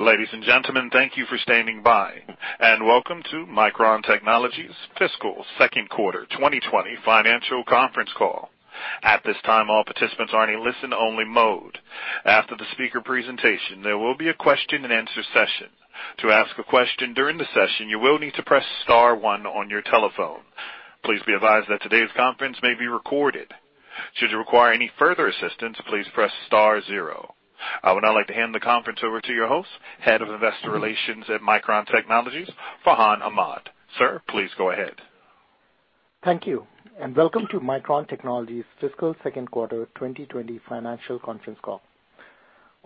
Ladies and gentlemen, thank you for standing by, and welcome to Micron Technology's Fiscal Q2 2020 Financial Conference Call. At this time, all participants are in a listen-only mode. After the speaker presentation, there will be a question and answer session. To ask a question during the session, you will need to press star one on your telephone. Please be advised that today's conference may be recorded. Should you require any further assistance, please press star zero. I would now like to hand the conference over to your host, head of investor relations at Micron Technology, Farhan Ahmad. Sir, please go ahead. Thank you, and welcome to Micron Technology's Fiscal Q2 2020 Financial Conference Call.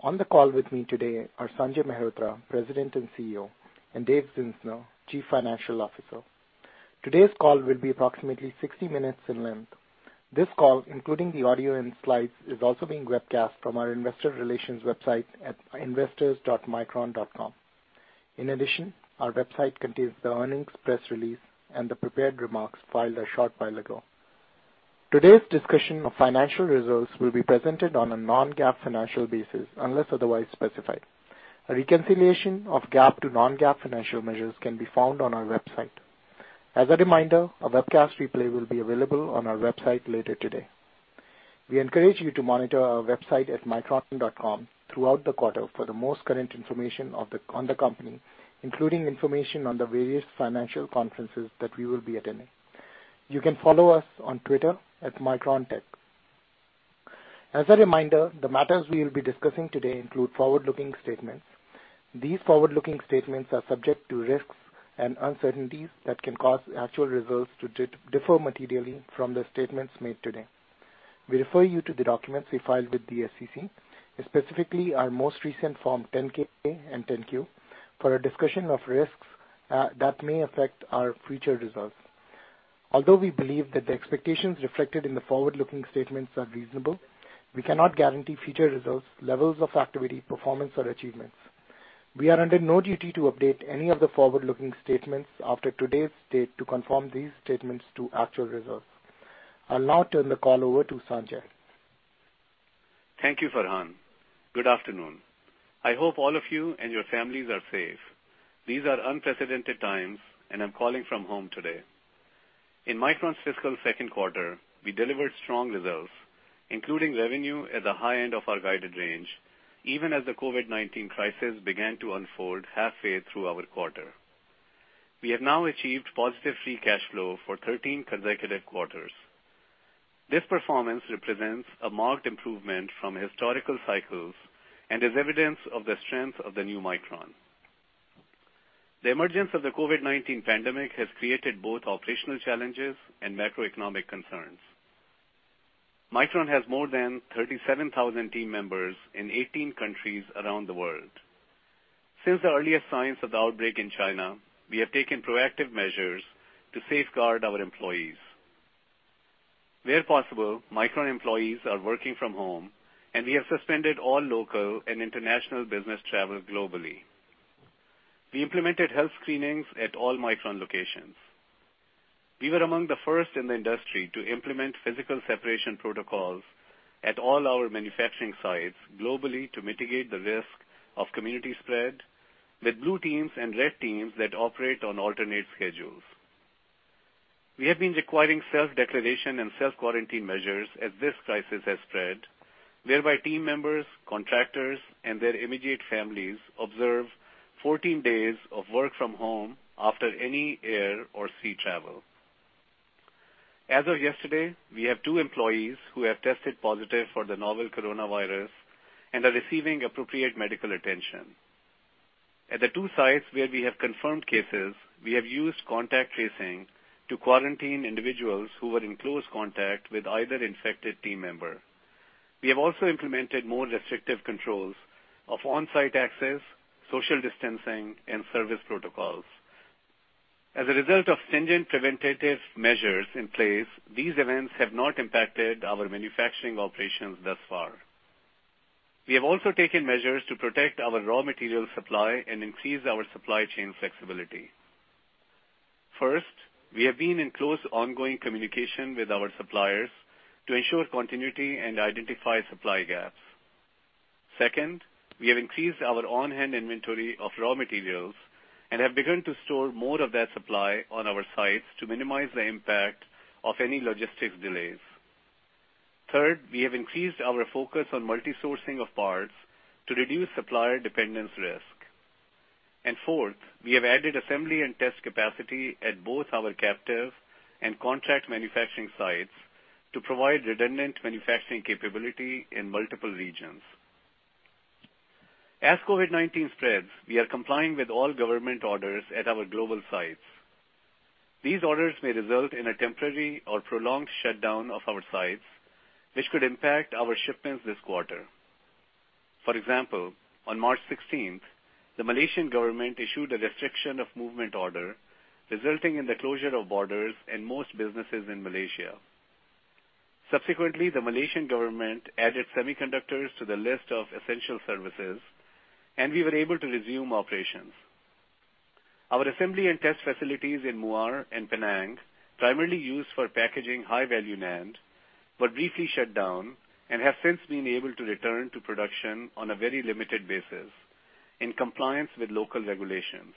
On the call with me today are Sanjay Mehrotra, President and CEO, and David Zinsner, Chief Financial Officer. Today's call will be approximately 60 minutes in length. This call, including the audio and slides, is also being webcast from our investor relations website at investors.micron.com. In addition, our website contains the earnings press release and the prepared remarks filed a short while ago. Today's discussion of financial results will be presented on a non-GAAP financial basis, unless otherwise specified. A reconciliation of GAAP to non-GAAP financial measures can be found on our website. As a reminder, a webcast replay will be available on our website later today. We encourage you to monitor our website at micron.com throughout the quarter for the most current information on the company, including information on the various financial conferences that we will be attending. You can follow us on Twitter at MicronTech. As a reminder, the matters we'll be discussing today include forward-looking statements. These forward-looking statements are subject to risks and uncertainties that can cause actual results to differ materially from the statements made today. We refer you to the documents we filed with the SEC, specifically our most recent Form 10-K and 10-Q, for a discussion of risks that may affect our future results. Although we believe that the expectations reflected in the forward-looking statements are reasonable, we cannot guarantee future results, levels of activity, performance, or achievements. We are under no duty to update any of the forward-looking statements after today's date to confirm these statements to actual results. I'll now turn the call over to Sanjay. Thank you, Farhan. Good afternoon. I hope all of you and your families are safe. These are unprecedented times. I'm calling from home today. In Micron's fiscal Q2, we delivered strong results, including revenue at the high end of our guided range, even as the COVID-19 crisis began to unfold halfway through our quarter. We have now achieved positive free cash flow for 13 consecutive quarters. This performance represents a marked improvement from historical cycles and is evidence of the strength of the new Micron. The emergence of the COVID-19 pandemic has created both operational challenges and macroeconomic concerns. Micron has more than 37,000 team members in 18 countries around the world. Since the earliest signs of the outbreak in China, we have taken proactive measures to safeguard our employees. Where possible, Micron employees are working from home, and we have suspended all local and international business travel globally. We implemented health screenings at all Micron locations. We were among the first in the industry to implement physical separation protocols at all our manufacturing sites globally to mitigate the risk of community spread with blue teams and red teams that operate on alternate schedules. We have been requiring self-declaration and self-quarantine measures as this crisis has spread, whereby team members, contractors, and their immediate families observe 14 days of work from home after any air or sea travel. As of yesterday, we have two employees who have tested positive for the novel coronavirus and are receiving appropriate medical attention. At the two sites where we have confirmed cases, we have used contact tracing to quarantine individuals who were in close contact with either infected team member. We have also implemented more restrictive controls of on-site access, social distancing, and service protocols. As a result of stringent preventative measures in place, these events have not impacted our manufacturing operations thus far. We have also taken measures to protect our raw material supply and increase our supply chain flexibility. First, we have been in close ongoing communication with our suppliers to ensure continuity and identify supply gaps. Second, we have increased our on-hand inventory of raw materials and have begun to store more of that supply on our sites to minimize the impact of any logistics delays. Third, we have increased our focus on multi-sourcing of parts to reduce supplier dependence risk. Fourth, we have added assembly and test capacity at both our captive and contract manufacturing sites to provide redundant manufacturing capability in multiple regions. As COVID-19 spreads, we are complying with all government orders at our global sites. These orders may result in a temporary or prolonged shutdown of our sites, which could impact our shipments this quarter. For example, on March 16th, the Malaysian government issued a restriction of movement order, resulting in the closure of borders and most businesses in Malaysia. Subsequently, the Malaysian government added semiconductors to the list of essential services, and we were able to resume operations. Our assembly and test facilities in Muar and Penang, primarily used for packaging high-value NAND, Were briefly shut down and have since been able to return to production on a very limited basis in compliance with local regulations.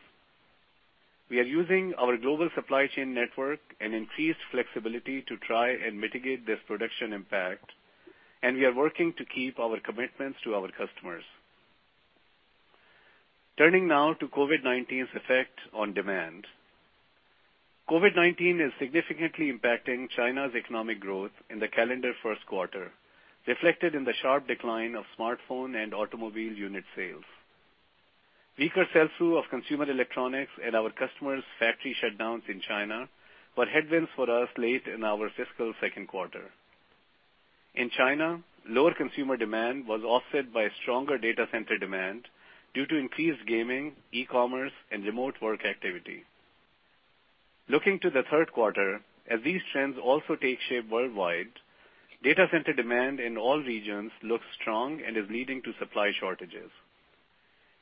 We are using our global supply chain network and increased flexibility to try and mitigate this production impact, and we are working to keep our commitments to our customers. Turning now to COVID-19's effect on demand. COVID-19 is significantly impacting China's economic growth in the calendar Q1, reflected in the sharp decline of smartphone and automobile unit sales. Weaker sell-through of consumer electronics and our customers' factory shutdowns in China were headwinds for us late in our fiscal Q2. In China, lower consumer demand was offset by stronger data center demand due to increased gaming, e-commerce, and remote work activity. Looking to the Q3, as these trends also take shape worldwide, data center demand in all regions looks strong and is leading to supply shortages.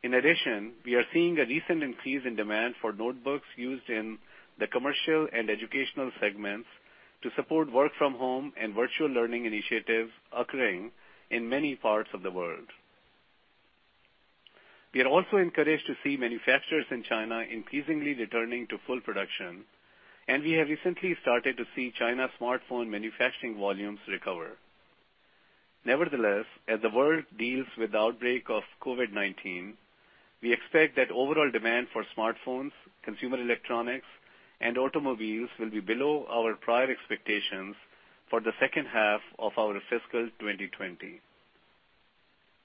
In addition, we are seeing a recent increase in demand for notebooks used in the commercial and educational segments to support work from home and virtual learning initiatives occurring in many parts of the world. We are also encouraged to see manufacturers in China increasingly returning to full production, and we have recently started to see China smartphone manufacturing volumes recover. Nevertheless, as the world deals with the outbreak of COVID-19, we expect that overall demand for smartphones, consumer electronics, and automobiles will be below our prior expectations for the H2 of our fiscal 2020.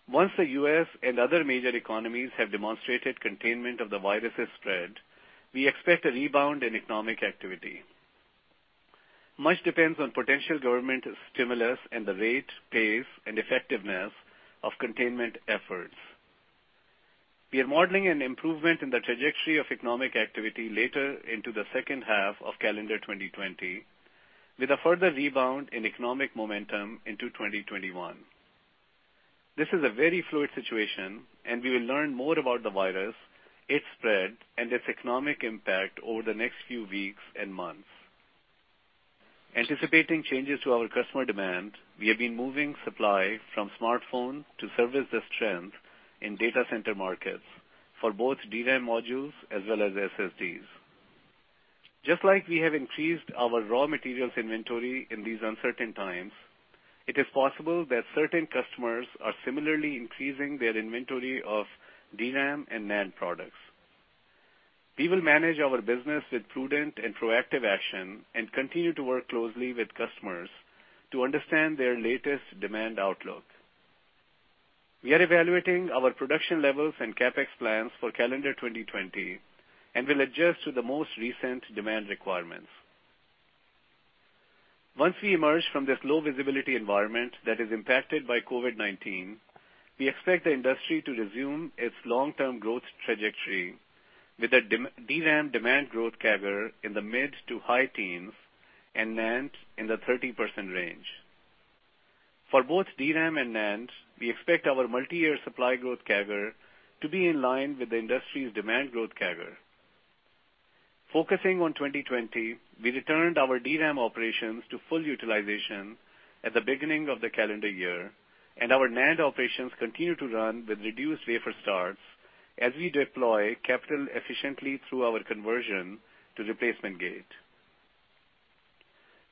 Once the U.S. and other major economies have demonstrated containment of the virus's spread, we expect a rebound in economic activity. Much depends on potential government stimulus and the rate, pace, and effectiveness of containment efforts. We are modeling an improvement in the trajectory of economic activity later into the H2 of calendar 2020, with a further rebound in economic momentum into 2021. This is a very fluid situation. We will learn more about the virus, its spread, and its economic impact over the next few weeks and months. Anticipating changes to our customer demand, we have been moving supply from smartphone to service this trend in data center markets for both DRAM modules as well as SSDs. Just like we have increased our raw materials inventory in these uncertain times, it is possible that certain customers are similarly increasing their inventory of DRAM and NAND products. We will manage our business with prudent and proactive action and continue to work closely with customers to understand their latest demand outlook. We are evaluating our production levels and CapEx plans for calendar 2020 and will adjust to the most recent demand requirements. Once we emerge from this low-visibility environment that is impacted by COVID-19, we expect the industry to resume its long-term growth trajectory with the DRAM demand growth CAGR in the mid to high teens and NAND in the 30% range. For both DRAM and NAND, we expect our multi-year supply growth CAGR to be in line with the industry's demand growth CAGR. Focusing on 2020, we returned our DRAM operations to full utilization at the beginning of the calendar year, and our NAND operations continue to run with reduced wafer starts as we deploy capital efficiently through our conversion to replacement gate.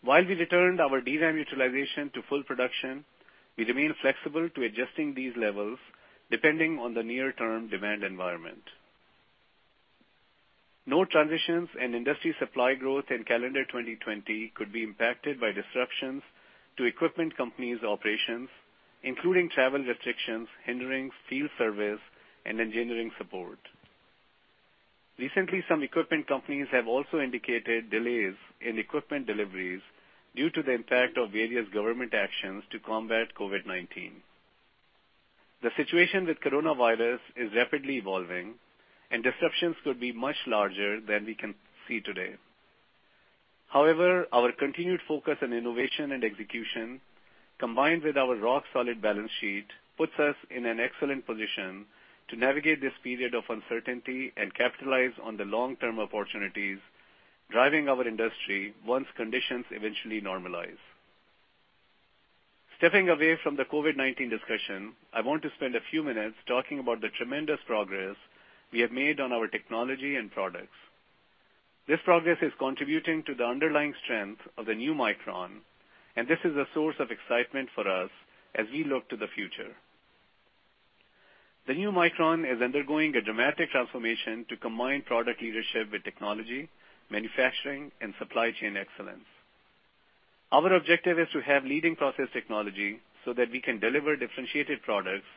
While we returned our DRAM utilization to full production, we remain flexible to adjusting these levels depending on the near-term demand environment. Node transitions and industry supply growth in calendar 2020 could be impacted by disruptions to equipment companies' operations, including travel restrictions hindering field service and engineering support. Recently, some equipment companies have also indicated delays in equipment deliveries due to the impact of various government actions to combat COVID-19. The situation with coronavirus is rapidly evolving, and disruptions could be much larger than we can see today. However, our continued focus on innovation and execution, combined with our rock-solid balance sheet, puts us in an excellent position to navigate this period of uncertainty and capitalize on the long-term opportunities driving our industry once conditions eventually normalize. Stepping away from the COVID-19 discussion, I want to spend a few minutes talking about the tremendous progress we have made on our technology and products. This progress is contributing to the underlying strength of the new Micron, and this is a source of excitement for us as we look to the future. The new Micron is undergoing a dramatic transformation to combine product leadership with technology, manufacturing, and supply chain excellence. Our objective is to have leading process technology so that we can deliver differentiated products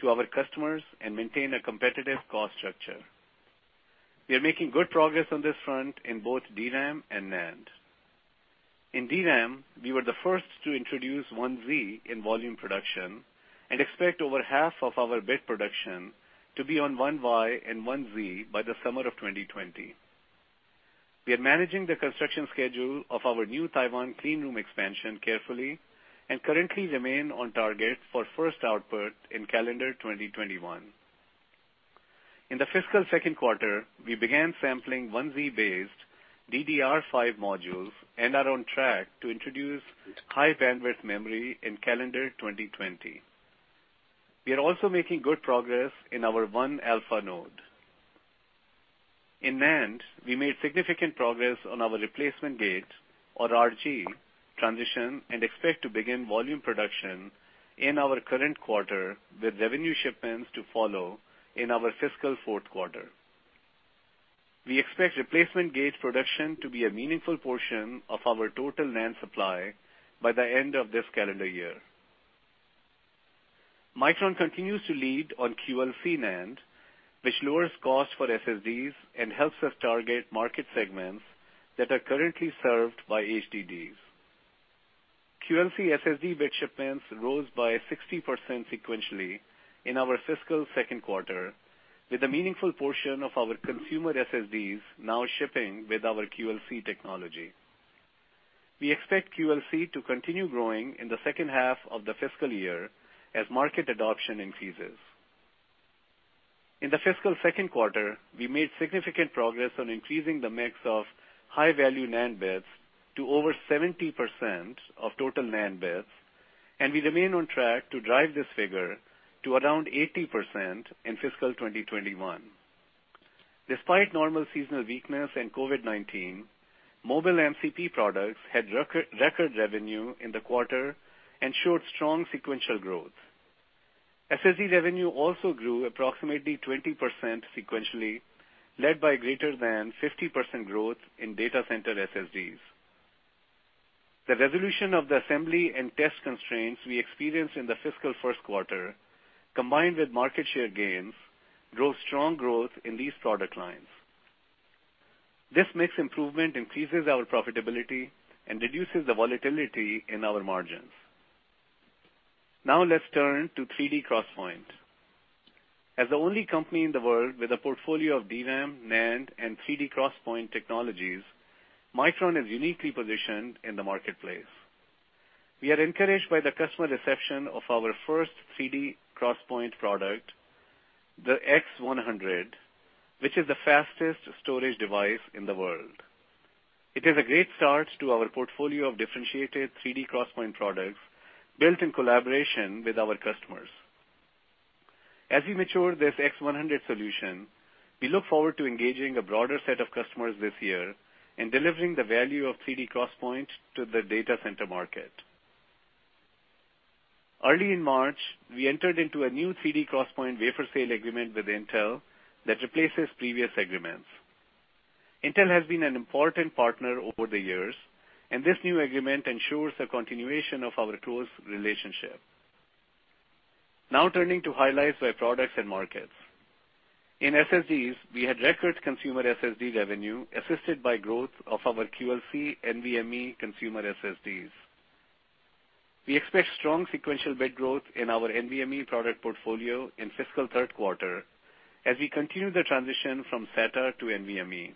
to our customers and maintain a competitive cost structure. We are making good progress on this front in both DRAM and NAND. In DRAM, we were the first to introduce 1z in volume production and expect over half of our bit production to be on 1y and 1z by the summer of 2020. We are managing the construction schedule of our new Taiwan clean room expansion carefully, and currently remain on target for first output in calendar 2021. In the fiscal Q2, we began sampling 1z nm-based DDR5 modules and are on track to introduce High-Bandwidth Memory in calendar 2020. We are also making good progress in our 1-alpha node. In NAND, we made significant progress on our replacement metal gate, or RG, transition and expect to begin volume production in our current quarter, with revenue shipments to follow in our fiscal Q4. We expect replacement metal gate production to be a meaningful portion of our total NAND supply by the end of this calendar year. Micron continues to lead on QLC NAND, which lowers cost for SSDs and helps us target market segments that are currently served by HDDs. QLC SSD bit shipments rose by 60% sequentially in our fiscal Q2, with a meaningful portion of our consumer SSDs now shipping with our QLC technology. We expect QLC to continue growing in the H2 of the fiscal year as market adoption increases. In the fiscal Q2, we made significant progress on increasing the mix of high-value NAND bits to over 70% of total NAND bits, and we remain on track to drive this figure to around 80% in fiscal 2021. Despite normal seasonal weakness and COVID-19, mobile MCP products had record revenue in the quarter and showed strong sequential growth. SSD revenue also grew approximately 20% sequentially, led by greater than 50% growth in data center SSDs. The resolution of the assembly and test constraints we experienced in the fiscal Q1, combined with market share gains, drove strong growth in these product lines. This mix improvement increases our profitability and reduces the volatility in our margins. Now let's turn to 3D XPoint. As the only company in the world with a portfolio of DRAM, NAND, and 3D XPoint technologies, Micron is uniquely positioned in the marketplace. We are encouraged by the customer reception of our first 3D XPoint product, the X100, which is the fastest storage device in the world. It is a great start to our portfolio of differentiated 3D XPoint products built in collaboration with our customers. As we mature this X100 solution, we look forward to engaging a broader set of customers this year and delivering the value of 3D XPoint to the data center market. Early in March, we entered into a new 3D XPoint wafer sale agreement with Intel that replaces previous agreements. Intel has been an important partner over the years, and this new agreement ensures the continuation of our close relationship. Now turning to highlights by products and markets. In SSDs, we had record consumer SSD revenue assisted by growth of our QLC NVMe consumer SSDs. We expect strong sequential bit growth in our NVMe product portfolio in fiscal Q3 as we continue the transition from SATA to NVMe.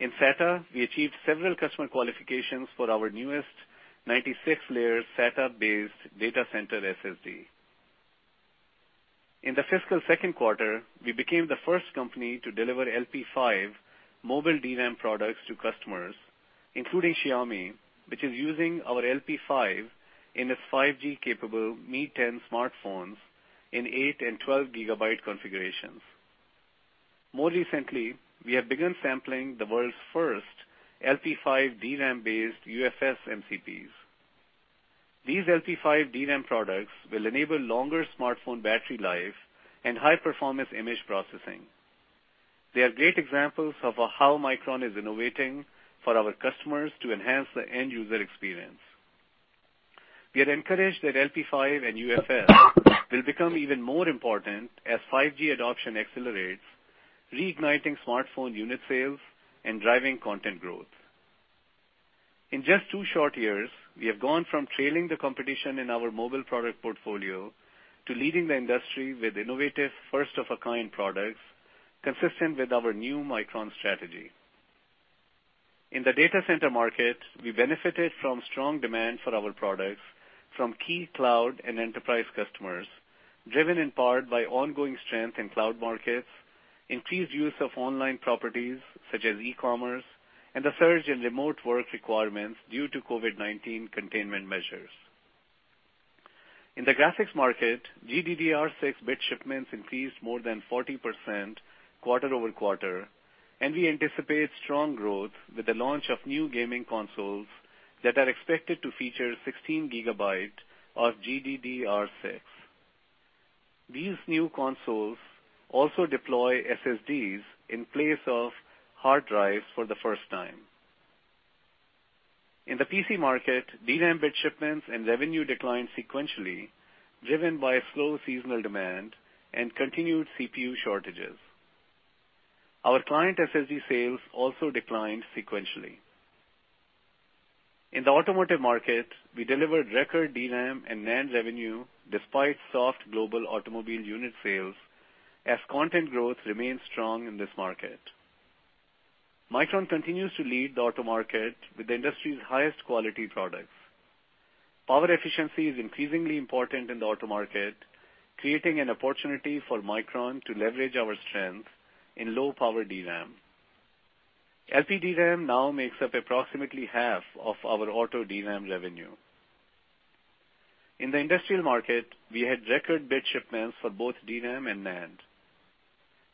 In SATA, we achieved several customer qualifications for our newest 96-layer SATA-based data center SSD. In the fiscal Q2, we became the first company to deliver LP5 mobile DRAM products to customers, including Xiaomi, which is using our LP5 in its 5G-capable Mi 10 smartphones in eight and 12 gigabyte configurations. More recently, we have begun sampling the world's first LP5 DRAM-based UFS MCPs. These LP5 DRAM products will enable longer smartphone battery life and high-performance image processing. They are great examples of how Micron is innovating for our customers to enhance the end user experience. We are encouraged that LP5 and UFS will become even more important as 5G adoption accelerates, reigniting smartphone unit sales and driving content growth. In just two short years, we have gone from trailing the competition in our mobile product portfolio to leading the industry with innovative first-of-a-kind products consistent with our new Micron strategy. In the data center market, we benefited from strong demand for our products from key cloud and enterprise customers, driven in part by ongoing strength in cloud markets, increased use of online properties such as e-commerce, and the surge in remote work requirements due to COVID-19 containment measures. In the graphics market, GDDR6 bit shipments increased more than 40% quarter-over-quarter, and we anticipate strong growth with the launch of new gaming consoles that are expected to feature 16 GB of GDDR6. These new consoles also deploy SSDs in place of hard drives for the first time. In the PC market, DRAM bit shipments and revenue declined sequentially, driven by slow seasonal demand and continued CPU shortages. Our client SSD sales also declined sequentially. In the automotive market, we delivered record DRAM and NAND revenue despite soft global automobile unit sales as content growth remains strong in this market. Micron continues to lead the auto market with the industry's highest quality products. Power efficiency is increasingly important in the auto market, creating an opportunity for Micron to leverage our strength in low power DRAM. LPDRAM now makes up approximately half of our auto DRAM revenue. In the industrial market, we had record bit shipments for both DRAM and NAND.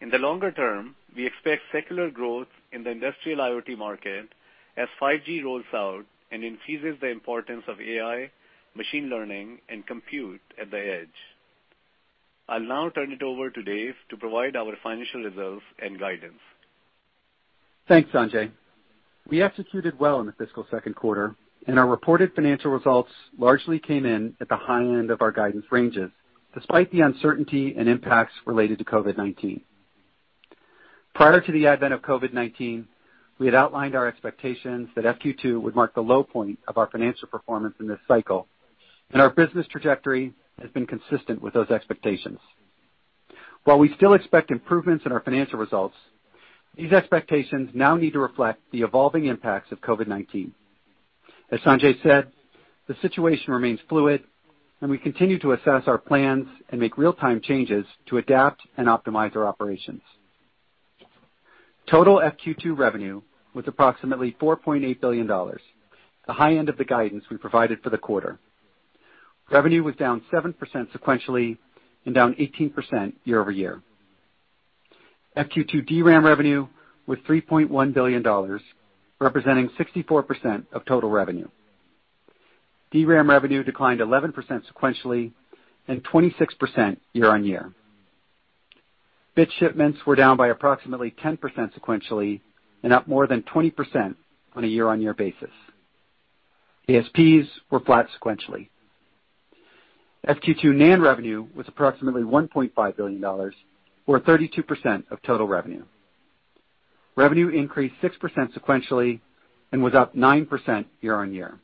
In the longer term, we expect secular growth in the industrial IoT market as 5G rolls out and increases the importance of AI, machine learning, and compute at the edge. I'll now turn it over to David to provide our financial results and guidance. Thanks, Sanjay. Our reported financial results largely came in at the high end of our guidance ranges, despite the uncertainty and impacts related to COVID-19. Prior to the advent of COVID-19, we had outlined our expectations that FQ2 would mark the low point of our financial performance in this cycle, and our business trajectory has been consistent with those expectations. While we still expect improvements in our financial results, these expectations now need to reflect the evolving impacts of COVID-19. As Sanjay said, the situation remains fluid, and we continue to assess our plans and make real time changes to adapt and optimize our operations. Total FQ2 revenue was approximately $4.8 billion, the high end of the guidance we provided for the quarter. Revenue was down 7% sequentially and down 18% year-over-year. FQ2 DRAM revenue was $3.1 billion, representing 64% of total revenue. DRAM revenue declined 11% sequentially and 26% year-on-year. Bit shipments were down by approximately 10% sequentially and up more than 20% on a year-on-year basis. ASPs were flat sequentially. FQ2 NAND revenue was approximately $1.5 billion or 32% of total revenue. Revenue increased 6% sequentially and was up 9% year-on-year.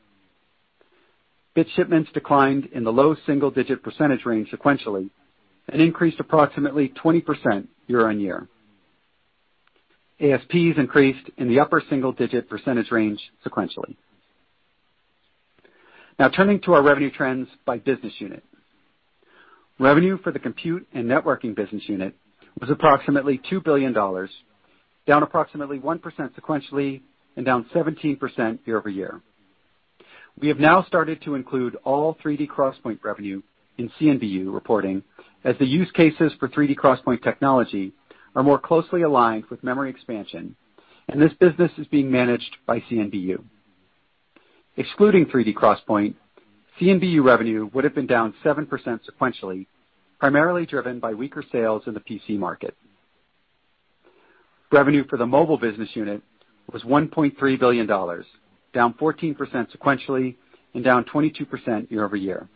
Bit shipments declined in the low single-digit percentage range sequentially and increased approximately 20% year-on-year. ASPs increased in the upper single-digit percentage range sequentially. Now turning to our revenue trends by business unit. Revenue for the Compute and Networking Business Unit was approximately $2 billion, down approximately 1% sequentially and down 17% year-over-year. We have now started to include all 3D XPoint revenue in CNBU reporting as the use cases for 3D XPoint technology are more closely aligned with memory expansion, and this business is being managed by CNBU. Excluding 3D XPoint, CNBU revenue would have been down 7% sequentially, primarily driven by weaker sales in the PC market. Revenue for the mobile business unit was $1.3 billion, down 14% sequentially and down 22% year-over-year.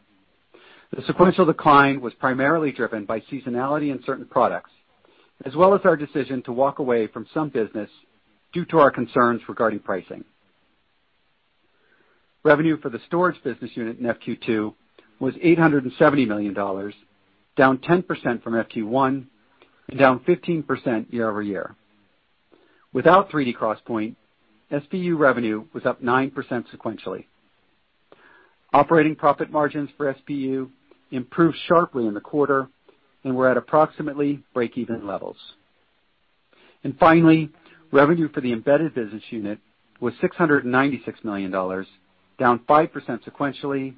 The sequential decline was primarily driven by seasonality in certain products, as well as our decision to walk away from some business due to our concerns regarding pricing. Revenue for the storage business unit in FQ2 was $870 million, down 10% from FQ1 and down 15% year-over-year. Without 3D XPoint, SBU revenue was up 9% sequentially. Operating profit margins for SBU improved sharply in the quarter and were at approximately breakeven levels. Finally, revenue for the embedded business unit was $696 million, down 5% sequentially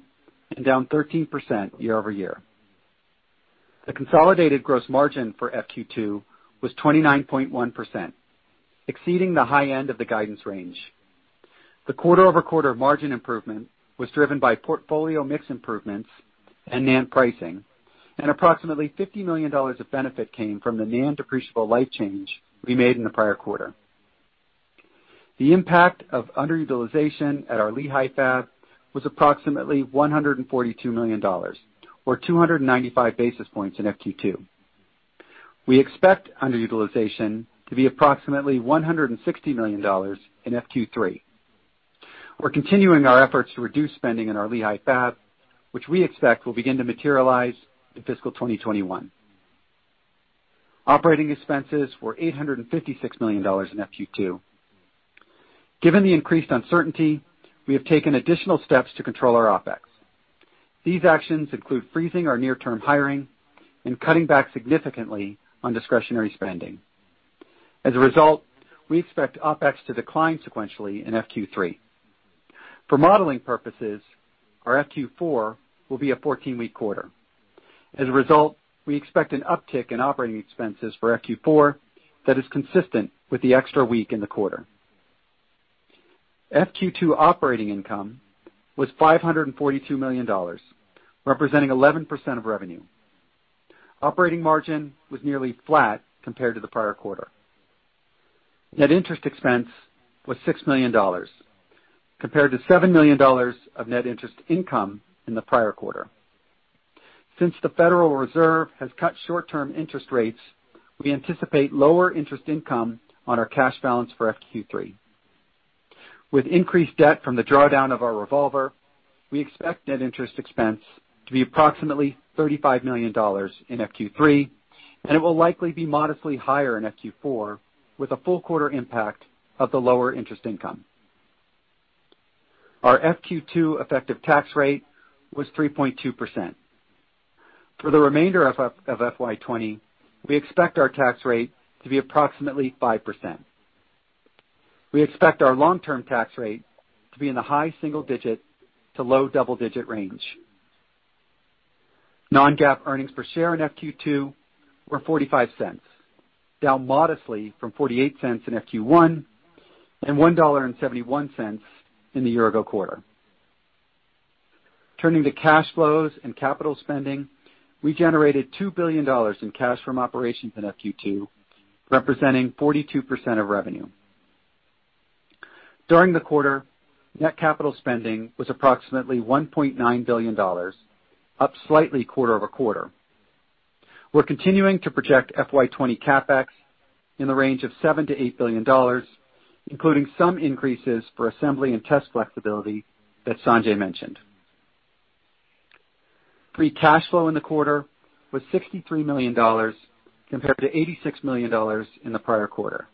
and down 13% year-over-year. The consolidated gross margin for FQ2 was 29.1%, exceeding the high end of the guidance range. The quarter-over-quarter margin improvement was driven by portfolio mix improvements and NAND pricing, and approximately $50 million of benefit came from the NAND depreciable life change we made in the prior quarter. The impact of underutilization at our Lehi fab was approximately $142 million or 295 basis points in FQ2. We expect underutilization to be approximately $160 million in FQ3. We're continuing our efforts to reduce spending in our Lehi fab, which we expect will begin to materialize in fiscal 2021. Operating expenses were $856 million in FQ2. Given the increased uncertainty, we have taken additional steps to control our OpEx. These actions include freezing our near term hiring and cutting back significantly on discretionary spending. As a result, we expect OpEx to decline sequentially in FQ3. For modeling purposes, our FQ4 will be a 14-week quarter. As a result, we expect an uptick in operating expenses for FQ4 that is consistent with the extra week in the quarter. FQ2 operating income was $542 million, representing 11% of revenue. Operating margin was nearly flat compared to the prior quarter. Net interest expense was $6 million compared to $7 million of net interest income in the prior quarter. Since the Federal Reserve has cut short-term interest rates, we anticipate lower interest income on our cash balance for FQ3. With increased debt from the drawdown of our revolver, we expect net interest expense to be approximately $35 million in FQ3, and it will likely be modestly higher in FQ4, with a full quarter impact of the lower interest income. Our FQ2 effective tax rate was 3.2%. For the remainder of FY 2020, we expect our tax rate to be approximately 5%. We expect our long-term tax rate to be in the high single digit to low double-digit range. Non-GAAP earnings per share in FQ2 were $0.45, down modestly from $0.48 in FQ1 and $1.71 in the year-ago quarter. Turning to cash flows and capital spending, we generated $2 billion in cash from operations in FQ2, representing 42% of revenue. During the quarter, net capital spending was approximately $1.9 billion, up slightly quarter-over-quarter. We're continuing to project FY 2020 CapEx in the range of $7 billion-$8 billion, including some increases for assembly and test flexibility that Sanjay mentioned. Free cash flow in the quarter was $63 million compared to $86 million in the prior quarter.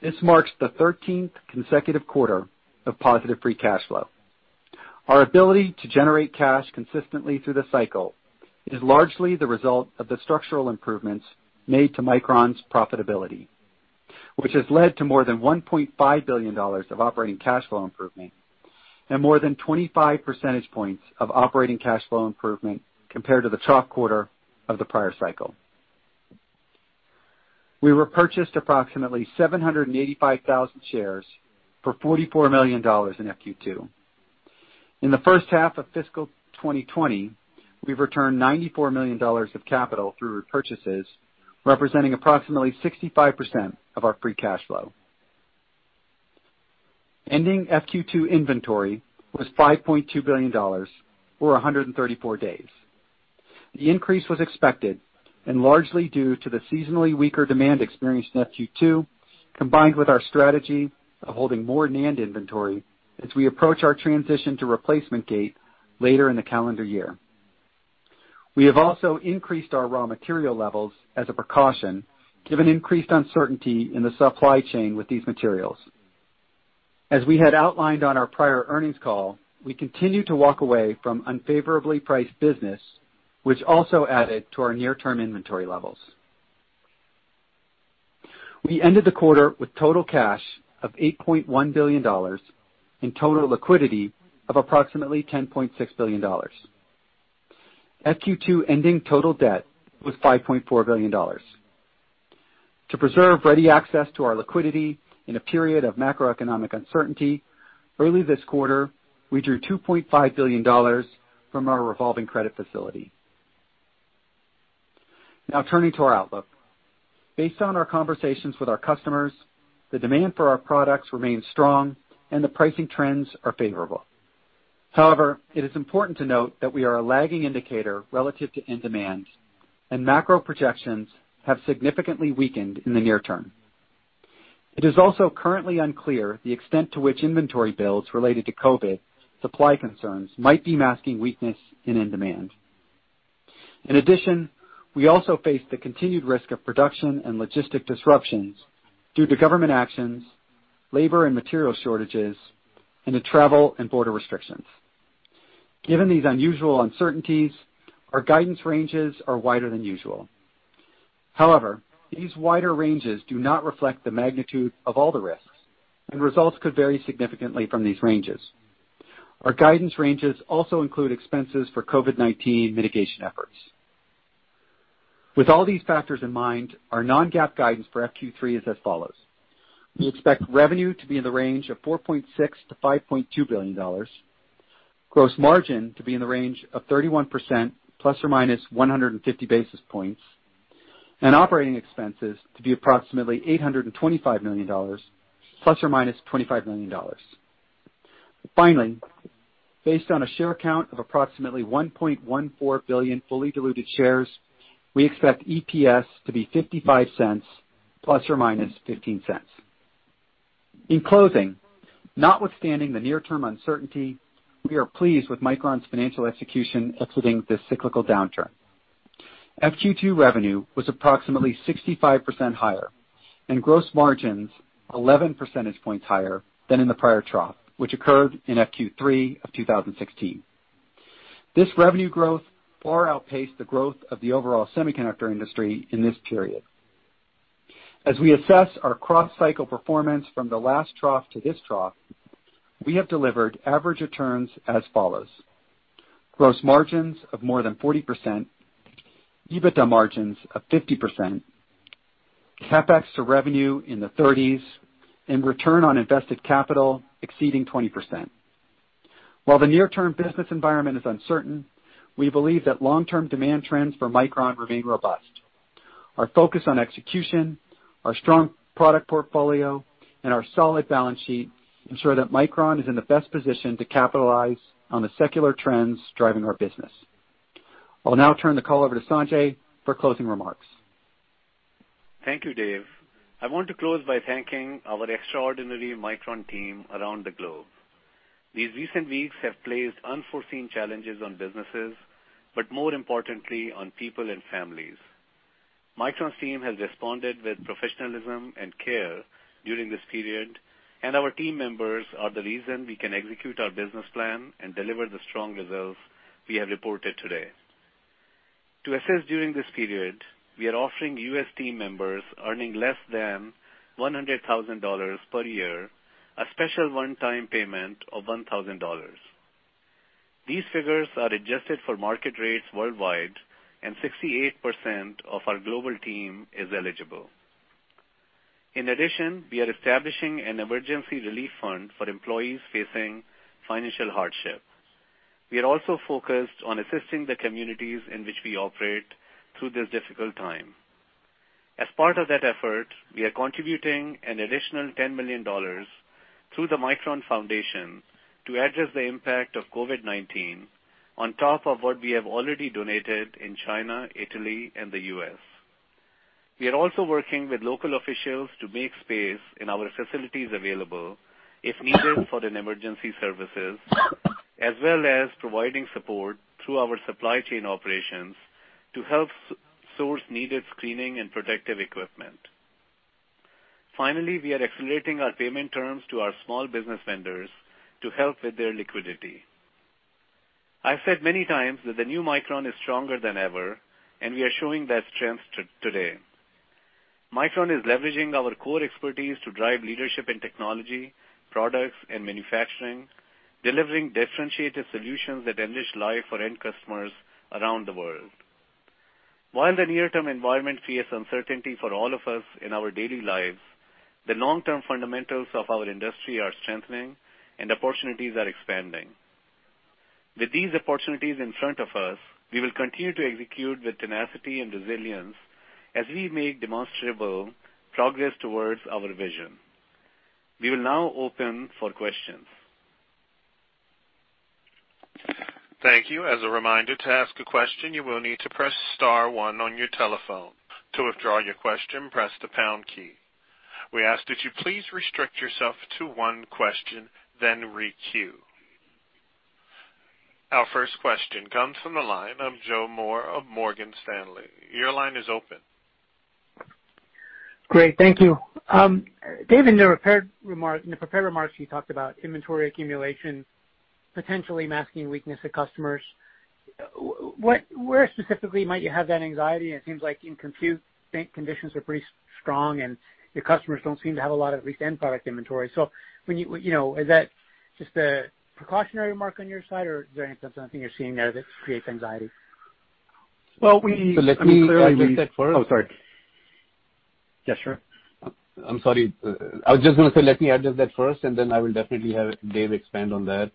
This marks the 13th consecutive quarter of positive free cash flow. Our ability to generate cash consistently through the cycle is largely the result of the structural improvements made to Micron's profitability, which has led to more than $1.5 billion of operating cash flow improvement and more than 25 percentage points of operating cash flow improvement compared to the top quarter of the prior cycle. We repurchased approximately 785,000 shares for $44 million in FQ2. In the H1 of fiscal 2020, we've returned $94 million of capital through repurchases, representing approximately 65% of our free cash flow. Ending FQ2 inventory was $5.2 billion, or 134 days. The increase was expected and largely due to the seasonally weaker demand experienced in FQ2, combined with our strategy of holding more NAND inventory as we approach our transition to replacement gate later in the calendar year. We have also increased our raw material levels as a precaution, given increased uncertainty in the supply chain with these materials. As we had outlined on our prior earnings call, we continue to walk away from unfavorably priced business, which also added to our near-term inventory levels. We ended the quarter with total cash of $8.1 billion and total liquidity of approximately $10.6 billion. FQ2 ending total debt was $5.4 billion. To preserve ready access to our liquidity in a period of macroeconomic uncertainty, early this quarter, we drew $2.5 billion from our revolving credit facility. Now turning to our outlook. Based on our conversations with our customers, the demand for our products remains strong and the pricing trends are favorable. However, it is important to note that we are a lagging indicator relative to end demand, and macro projections have significantly weakened in the near term. It is also currently unclear the extent to which inventory builds related to COVID-19 supply concerns might be masking weakness in end demand. In addition, we also face the continued risk of production and logistic disruptions due to government actions, labor and material shortages, and to travel and border restrictions. Given these unusual uncertainties, our guidance ranges are wider than usual. However, these wider ranges do not reflect the magnitude of all the risks, and results could vary significantly from these ranges. Our guidance ranges also include expenses for COVID-19 mitigation efforts. With all these factors in mind, our non-GAAP guidance for FQ3 is as follows. We expect revenue to be in the range of $4.6 billion-$5.2 billion, gross margin to be in the range of 31%, ±150 basis points, and operating expenses to be approximately $825 million, ±$25 million. Finally, based on a share count of approximately 1.14 billion fully diluted shares, we expect EPS to be $0.55, ±$0.15. In closing, notwithstanding the near-term uncertainty, we are pleased with Micron's financial execution exiting this cyclical downturn. FQ2 revenue was approximately 65% higher, and gross margins 11 percentage points higher than in the prior trough, which occurred in FQ3 of 2016. This revenue growth far outpaced the growth of the overall semiconductor industry in this period. As we assess our cross-cycle performance from the last trough to this trough, we have delivered average returns as follows. Gross margins of more than 40%, EBITDA margins of 50%, CapEx to revenue in the 30s, and return on invested capital exceeding 20%. While the near-term business environment is uncertain, we believe that long-term demand trends for Micron remain robust. Our focus on execution, our strong product portfolio, and our solid balance sheet ensure that Micron is in the best position to capitalize on the secular trends driving our business. I'll now turn the call over to Sanjay for closing remarks. Thank you, David. I want to close by thanking our extraordinary Micron team around the globe. These recent weeks have placed unforeseen challenges on businesses, but more importantly, on people and families. Micron's team has responded with professionalism and care during this period, and our team members are the reason we can execute our business plan and deliver the strong results we have reported today. To assist during this period, we are offering U.S. team members earning less than $100,000 per year, a special one-time payment of $1,000. These figures are adjusted for market rates worldwide, and 68% of our global team is eligible. In addition, we are establishing an emergency relief fund for employees facing financial hardship. We are also focused on assisting the communities in which we operate through this difficult time. As part of that effort, we are contributing an additional $10 million through the Micron Foundation to address the impact of COVID-19 on top of what we have already donated in China, Italy, and the U.S. We are also working with local officials to make space in our facilities available if needed for the emergency services, as well as providing support through our supply chain operations to help source needed screening and protective equipment. Finally, we are accelerating our payment terms to our small business vendors to help with their liquidity. I've said many times that the new Micron is stronger than ever. We are showing that strength today. Micron is leveraging our core expertise to drive leadership in technology, products, and manufacturing, delivering differentiated solutions that enrich life for end customers around the world. While the near-term environment creates uncertainty for all of us in our daily lives, the long-term fundamentals of our industry are strengthening and opportunities are expanding. With these opportunities in front of us, we will continue to execute with tenacity and resilience as we make demonstrable progress towards our vision. We will now open for questions. Thank you. As a reminder, to ask a question, you will need to press star one on your telephone. To withdraw your question, press the pound key. We ask that you please restrict yourself to one question, then re-queue. Our first question comes from the line of Joseph Moore of Morgan Stanley. Your line is open. Great. Thank you. David, in the prepared remarks, you talked about inventory accumulation potentially masking weakness of customers. Where specifically might you have that anxiety? It seems like in compute, bank conditions are pretty strong, and your customers don't seem to have a lot of recent end product inventory. Is that just a precautionary remark on your side, or is there anything you're seeing there that creates anxiety? Well, we, So let me, I mean, clearly we said first. Oh, sorry. Yeah, sure. I'm sorry. I was just going to say, let me address that first, and then I will definitely have David expand on that.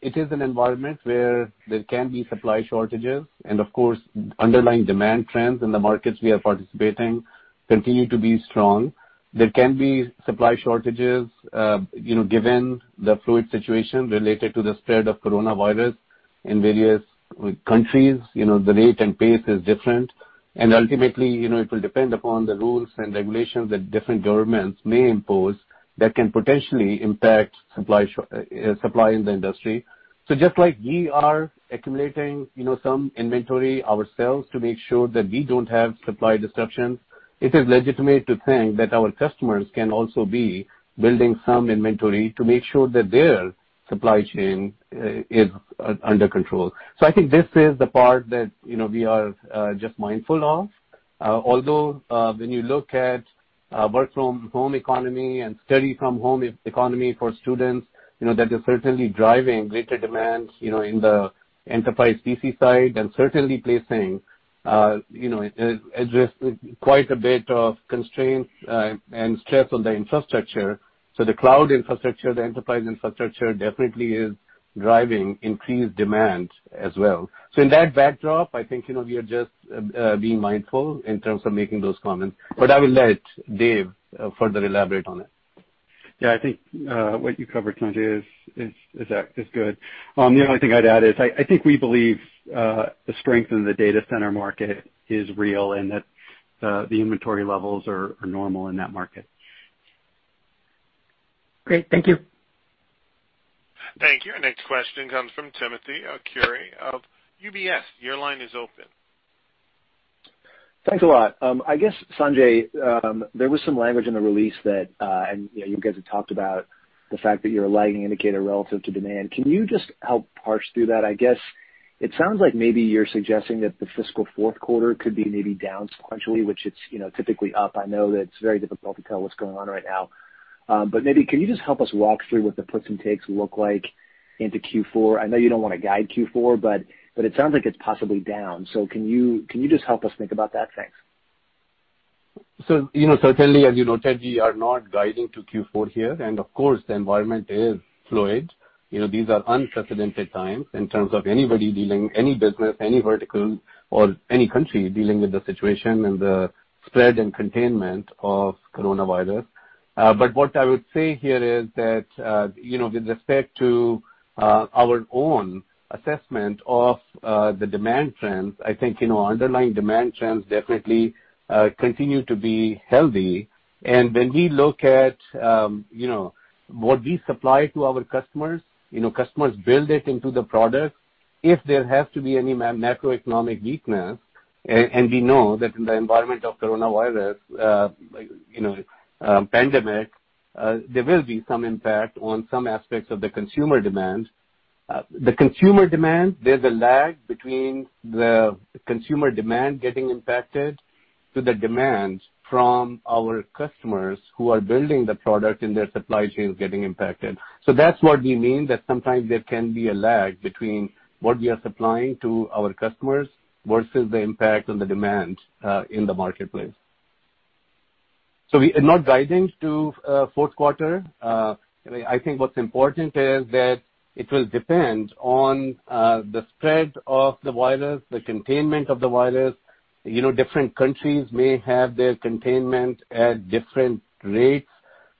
It is an environment where there can be supply shortages, and of course, underlying demand trends in the markets we are participating continue to be strong. There can be supply shortages, given the fluid situation related to the spread of coronavirus in various countries, the rate and pace is different. Ultimately, it will depend upon the rules and regulations that different governments may impose that can potentially impact supply in the industry. Just like we are accumulating some inventory ourselves to make sure that we don't have supply disruptions, it is legitimate to think that our customers can also be building some inventory to make sure that their supply chain is under control. I think this is the part that we are just mindful of. Although, when you look at work from home economy and study from home economy for students, that is certainly driving greater demands in the enterprise PC side and certainly placing quite a bit of constraint and stress on the infrastructure. The cloud infrastructure, the enterprise infrastructure definitely is driving increased demand as well. In that backdrop, I think we are just being mindful in terms of making those comments. I will let David further elaborate on it. Yeah, I think, what you covered, Sanjay, is good. The only thing I'd add is I think we believe the strength in the data center market is real and that the inventory levels are normal in that market. Great. Thank you. Thank you. Our next question comes from Timothy Arcuri of UBS. Your line is open. Thanks a lot. I guess, Sanjay, there was some language in the release that you guys have talked about the fact that you're a lagging indicator relative to demand. Can you just help parse through that? I guess it sounds like maybe you're suggesting that the fiscal Q4 could be maybe down sequentially, which it's typically up. I know that it's very difficult to tell what's going on right now. Maybe, can you just help us walk through what the puts and takes look like into Q4? I know you don't want to guide Q4, it sounds like it's possibly down. Can you just help us think about that? Thanks. Certainly, as you know, Tim, we are not guiding to Q4 here, and of course, the environment is fluid. These are unprecedented times in terms of anybody dealing, any business, any vertical or any country dealing with the situation and the spread and containment of coronavirus. What I would say here is that with respect to our own assessment of the demand trends, I think, underlying demand trends definitely continue to be healthy. When we look at what we supply to our customers build it into the product. If there has to be any macroeconomic weakness, and we know that in the environment of coronavirus pandemic, there will be some impact on some aspects of the consumer demand. The consumer demand, there's a lag between the consumer demand getting impacted to the demand from our customers who are building the product and their supply chains getting impacted. That's what we mean, that sometimes there can be a lag between what we are supplying to our customers versus the impact on the demand in the marketplace. We are not guiding to Q4. I think what's important is that it will depend on the spread of the virus, the containment of the virus. Different countries may have their containment at different rates.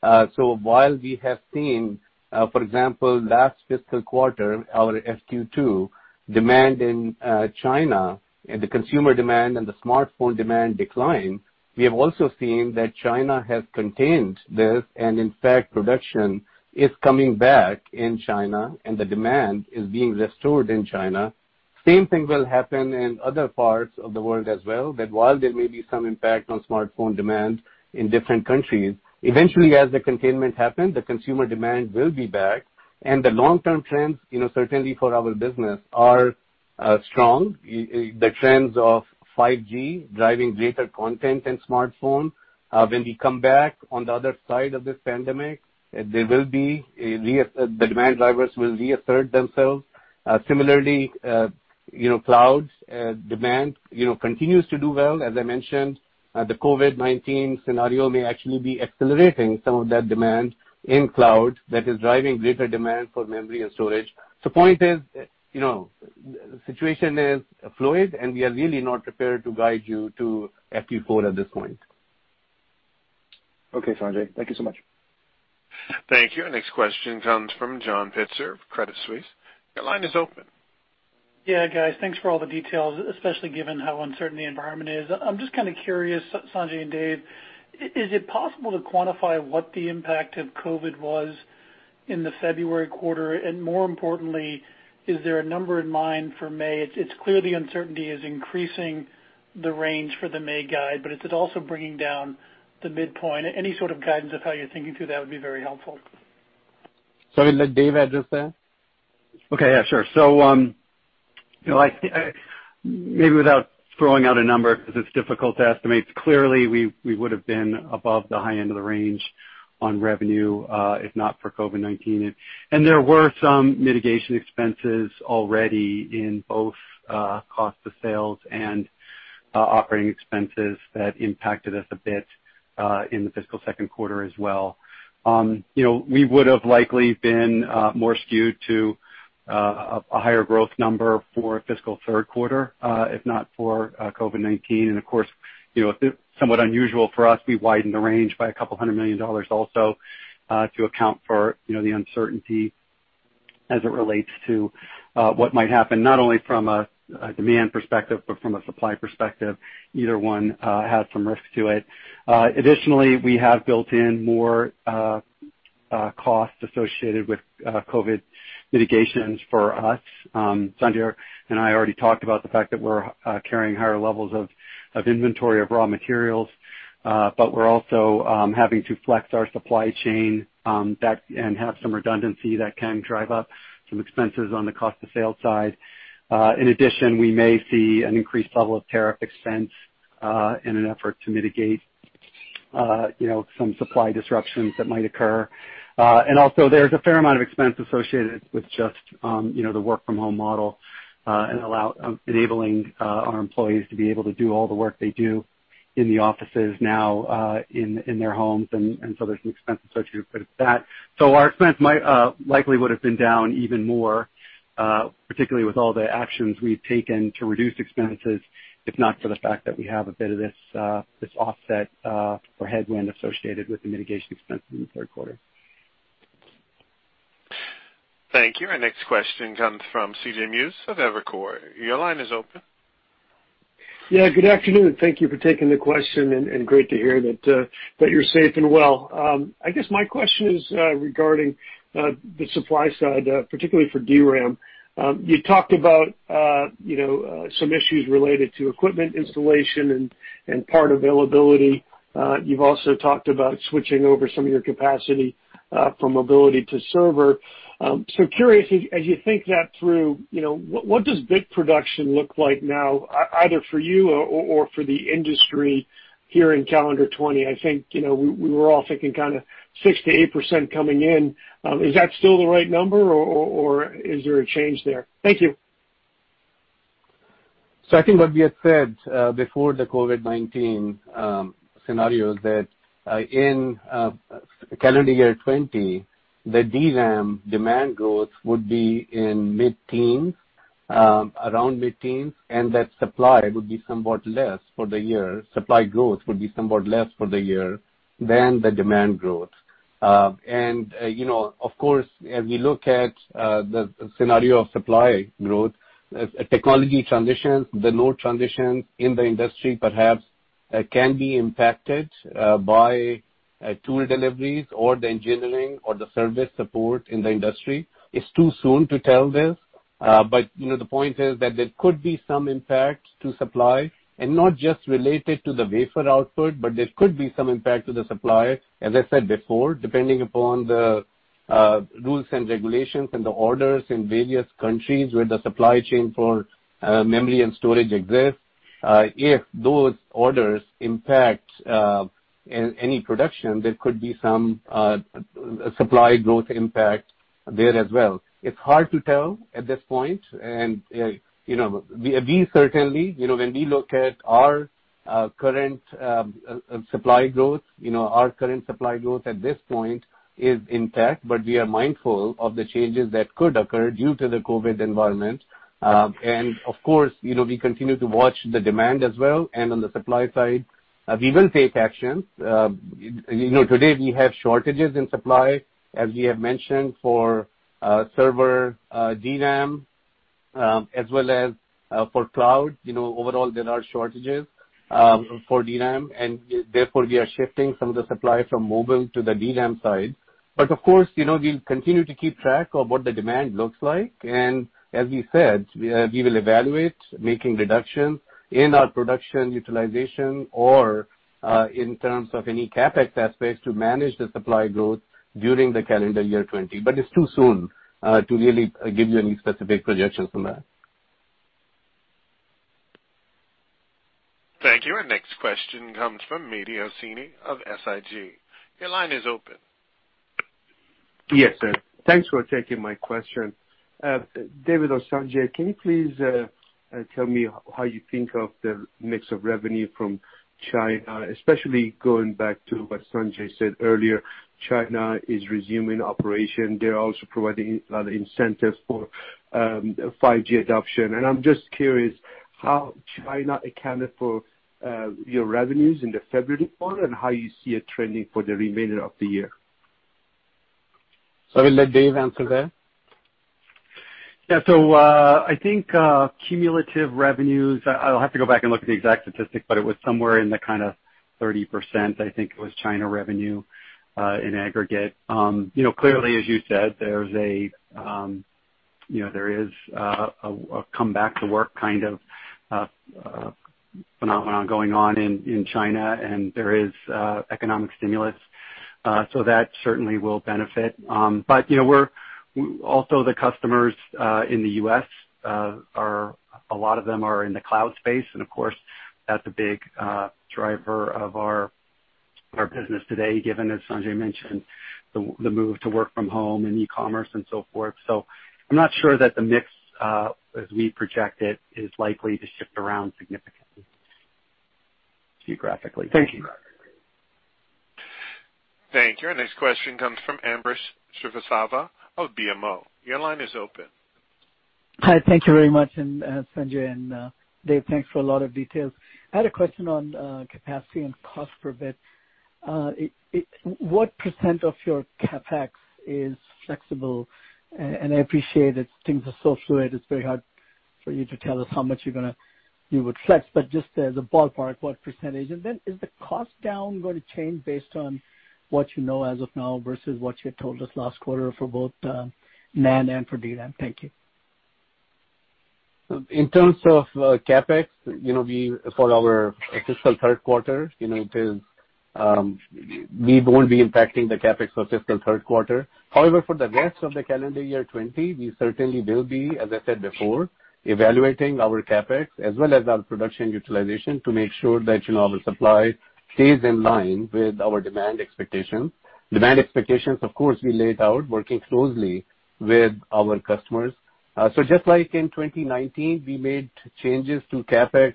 While we have seen, for example, last fiscal quarter, our FQ2, demand in China, the consumer demand and the smartphone demand declined. We have also seen that China has contained this, and in fact, production is coming back in China and the demand is being restored in China. Same thing will happen in other parts of the world as well, that while there may be some impact on smartphone demand in different countries, eventually as the containment happens, the consumer demand will be back. The long-term trends, certainly for our business, are strong. The trends of 5G driving greater content in smartphone. When we come back on the other side of this pandemic, the demand drivers will reassert themselves. Similarly, cloud demand continues to do well. As I mentioned, the COVID-19 scenario may actually be accelerating some of that demand in cloud that is driving greater demand for memory and storage. Point is, the situation is fluid, and we are really not prepared to guide you to FQ4 at this point. Okay, Sanjay. Thank you so much. Thank you. Our next question comes from John Pitzer of Credit Suisse. Your line is open. Yeah, guys, thanks for all the details, especially given how uncertain the environment is. I'm just kind of curious, Sanjay and David, is it possible to quantify what the impact of COVID-19 was in the February quarter, and more importantly, is there a number in mind for May? It's clear the uncertainty is increasing the range for the May guide, but is it also bringing down the midpoint? Any sort of guidance of how you're thinking through that would be very helpful. I'll let David address that. Okay. Yeah, sure. Maybe without throwing out a number because it's difficult to estimate. Clearly, we would've been above the high end of the range on revenue, if not for COVID-19. There were some mitigation expenses already in both cost of sales and operating expenses that impacted us a bit, in the fiscal Q2 as well. We would've likely been more skewed to a higher growth number for fiscal Q3, if not for COVID-19. Of course, somewhat unusual for us, we widened the range by a couple hundred million dollars also, to account for the uncertainty as it relates to what might happen, not only from a demand perspective, but from a supply perspective. Either one has some risk to it. Additionally, we have built in more costs associated with COVID mitigations for us. Sanjay and I already talked about the fact that we're carrying higher levels of inventory of raw materials, but we're also having to flex our supply chain, and have some redundancy that can drive up some expenses on the cost of sales side. In addition, we may see an increased level of tariff expense, in an effort to mitigate some supply disruptions that might occur. Also, there's a fair amount of expense associated with just the work from home model, and enabling our employees to be able to do all the work they do in the offices now in their homes, and so there's some expense associated with that. Our expense likely would've been down even more, particularly with all the actions we've taken to reduce expenses, if not for the fact that we have a bit of this offset, or headwind associated with the mitigation expenses in the Q3. Thank you. Our next question comes from C.J. Muse of Evercore. Your line is open. Yeah, good afternoon. Thank you for taking the question, and great to hear that you're safe and well. I guess my question is regarding the supply side, particularly for DRAM. You talked about some issues related to equipment installation and part availability. You've also talked about switching over some of your capacity from mobility to server. Curious, as you think that through, what does bit production look like now, either for you or for the industry here in calendar 2020? I think we were all thinking kind of 6%-8% coming in. Is that still the right number, or is there a change there? Thank you. I think what we had said before the COVID-19 scenario, that in calendar year 2020, the DRAM demand growth would be in mid-teens, around mid-teens, that supply growth would be somewhat less for the year than the demand growth. Of course, as we look at the scenario of supply growth, technology transitions, the node transition in the industry perhaps can be impacted by tool deliveries or the engineering or the service support in the industry. It's too soon to tell this, but the point is that there could be some impact to supply and not just related to the wafer output, but there could be some impact to the supply, as I said before, depending upon the rules and regulations and the orders in various countries where the supply chain for memory and storage exists. If those orders impact any production, there could be some supply growth impact there as well. It's hard to tell at this point. We certainly, when we look at our current supply growth, our current supply growth at this point is intact, but we are mindful of the changes that could occur due to the COVID-19 environment. Of course, we continue to watch the demand as well. On the supply side, we will take action. Today, we have shortages in supply, as we have mentioned, for server DRAM as well as for cloud. Overall, there are shortages for DRAM, and therefore we are shifting some of the supply from mobile to the DRAM side. Of course, we'll continue to keep track of what the demand looks like, and as we said, we will evaluate making reductions in our production utilization or in terms of any CapEx aspects to manage the supply growth during the calendar year 2020. It's too soon to really give you any specific projections on that. Thank you. Our next question comes from Mehdi Hosseini of SIG. Your line is open. Yes, sir. Thanks for taking my question. David or Sanjay, can you please tell me how you think of the mix of revenue from China, especially going back to what Sanjay said earlier, China is resuming operation. They're also providing a lot of incentives for 5G adoption. I'm just curious how China accounted for your revenues in the February quarter and how you see it trending for the remainder of the year. I will let David answer that. I think cumulative revenues, I'll have to go back and look at the exact statistic, but it was somewhere in the kind of 30%, I think it was China revenue, in aggregate. Clearly, as you said, there is a come back to work kind of phenomenon going on in China, and there is economic stimulus. That certainly will benefit. Also the customers in the U.S., a lot of them are in the cloud space, and of course, that's a big driver of our business today, given, as Sanjay mentioned, the move to work from home and e-commerce and so forth. I'm not sure that the mix, as we project it, is likely to shift around significantly geographically. Thank you. Thank you. Our next question comes from Ambrish Srivastava of BMO Capital Markets. Your line is open. Hi. Thank you very much. Sanjay and David, thanks for a lot of details. I had a question on capacity and cost per bit. What % of your CapEx is flexible? I appreciate that things are so fluid, it's very hard for you to tell us how much you would flex, but just as a ballpark, what %? Is the cost down going to change based on what you know as of now versus what you had told us last quarter for both NAND and for DRAM? Thank you. In terms of CapEx for our fiscal Q3, we won't be impacting the CapEx for fiscal Q3. For the rest of the calendar year 2020, we certainly will be, as I said before, evaluating our CapEx as well as our production utilization to make sure that our supply stays in line with our demand expectations. Demand expectations, of course, we laid out working closely with our customers. Just like in 2019, we made changes to CapEx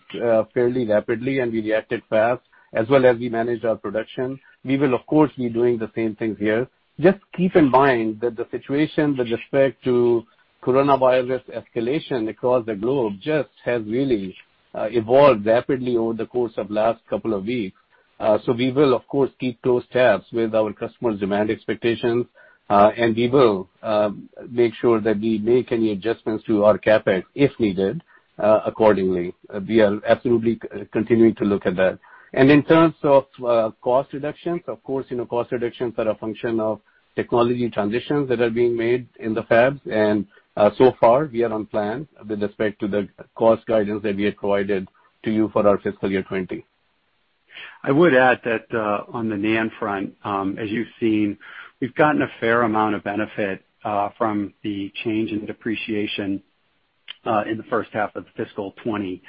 fairly rapidly, and we reacted fast as well as we managed our production. We will, of course, be doing the same things here. Just keep in mind that the situation with respect to coronavirus escalation across the globe just has really evolved rapidly over the course of last couple of weeks. We will, of course, keep close tabs with our customers' demand expectations, and we will make sure that we make any adjustments to our CapEx if needed, accordingly. We are absolutely continuing to look at that. And in terms of cost reductions, of course, cost reductions are a function of technology transitions that are being made in the fabs, and so far, we are on plan with respect to the cost guidance that we had provided to you for our fiscal year 2020. I would add that on the NAND front, as you've seen, we've gotten a fair amount of benefit from the change in depreciation in the H1 of FY20.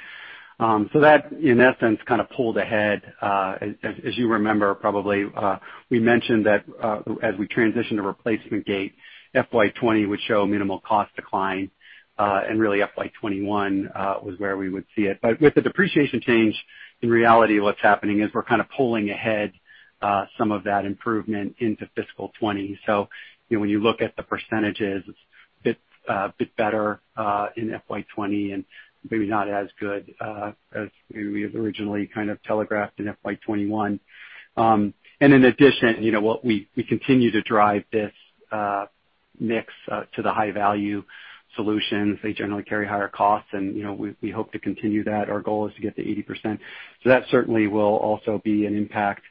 That, in essence, kind of pulled ahead. As you remember, probably, we mentioned that as we transition to replacement gate, FY20 would show minimal cost decline, and really, FY21 was where we would see it. With the depreciation change, in reality, what's happening is we're kind of pulling ahead some of that improvement into FY20. When you look at the percentages, it's a bit better in FY20 and maybe not as good as we had originally kind of telegraphed in FY21. In addition, we continue to drive this mix to the high-value solutions. They generally carry higher costs, and we hope to continue that. Our goal is to get to 80%. That certainly will also be an impact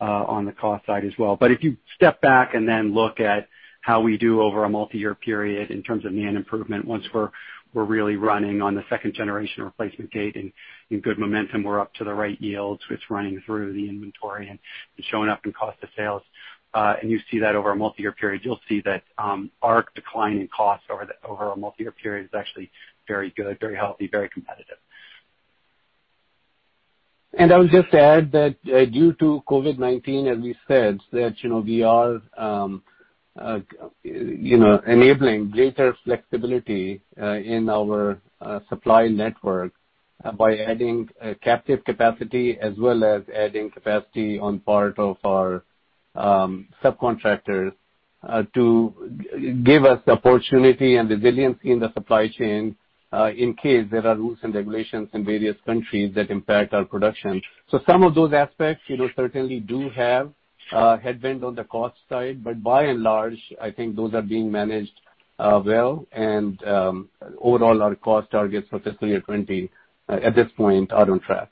on the cost side as well. If you step back and then look at how we do over a multi-year period in terms of NAND improvement, once we're really running on the second generation replacement gate and in good momentum, we're up to the right yields, it's running through the inventory and showing up in cost of sales. You see that over a multi-year period. You'll see that our decline in costs over a multi-year period is actually very good, very healthy, very competitive. I would just add that due to COVID-19, as we said, that we are enabling greater flexibility in our supply network by adding captive capacity as well as adding capacity on part of our subcontractors to give us the opportunity and the resiliency in the supply chain in case there are rules and regulations in various countries that impact our production. Some of those aspects certainly do have headwind on the cost side, but by and large, I think those are being managed well, and overall, our cost targets for fiscal year 2020, at this point, are on track.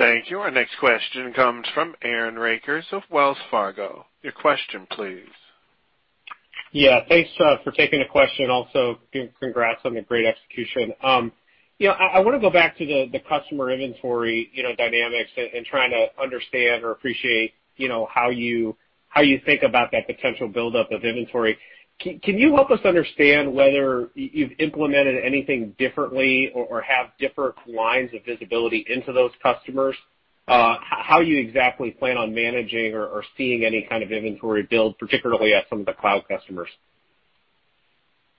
Thank you. Our next question comes from Aaron Rakers of Wells Fargo. Your question, please. Thanks for taking the question. Congrats on the great execution. I want to go back to the customer inventory dynamics and trying to understand or appreciate how you think about that potential buildup of inventory. Can you help us understand whether you've implemented anything differently or have different lines of visibility into those customers? How you exactly plan on managing or seeing any kind of inventory build, particularly at some of the cloud customers?